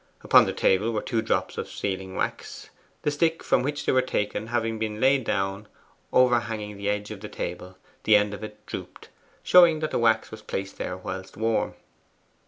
Upon the table were two drops of sealing wax, the stick from which they were taken having been laid down overhanging the edge of the table; the end of it drooped, showing that the wax was placed there whilst warm.